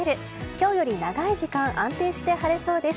今日より長い時間安定して晴れそうです。